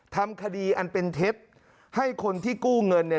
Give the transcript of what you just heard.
ทำคดีอันเป็นเท็จให้คนที่กู้เงินเนี่ย